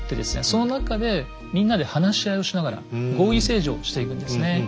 その中でみんなで話し合いをしながら合議政治をしていくんですね。